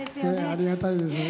ありがたいですよね。